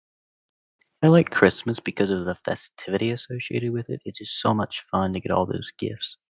I like Christmas because of the festivities associated with it. It's just so much fun to get all those gifts.